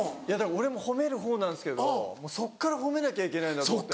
俺も褒める方なんですけどそっから褒めなきゃいけないんだと思って。